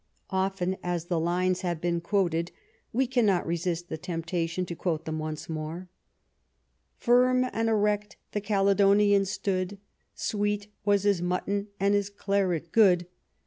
Often as the lines have been quoted, we cannot resist the temptation to quote them once more: " Firm and erect the Caledonian stood ; Sweet was his mutton and his claret good.